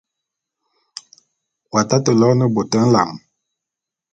W'atate loene bôt nlam.